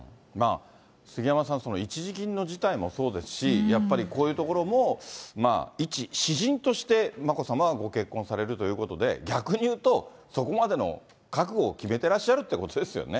杉山さん、一時金の辞退もそうですし、やっぱりこういうところも一私人として眞子さまはご結婚されるということで、逆に言うと、そこまでの覚悟を決めてらっしゃるということですよね。